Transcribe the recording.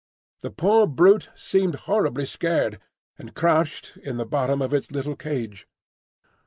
The poor brute seemed horribly scared, and crouched in the bottom of its little cage.